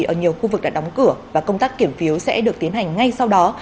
ở nhiều khu vực đã đóng cửa và công tác kiểm phiếu sẽ được tiến hành ngay sau đó